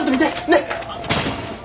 ねっ！